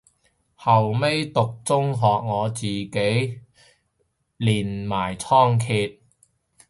後尾讀中學我自己練埋倉頡